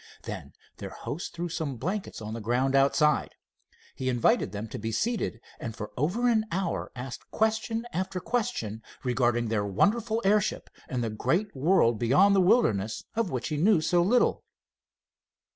Then their host threw some blankets on the ground outside. He invited them to be seated, and for over an hour asked question after question regarding their wonderful airship and the great world beyond the wilderness of which he knew so little.